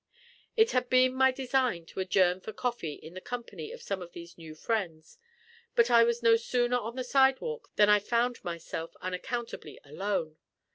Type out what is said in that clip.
It had been my design to adjourn for coffee in the company of some of these new friends; but I was no sooner on the sidewalk than I found myself unaccountably alone.